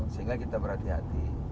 sehingga kita berhati hati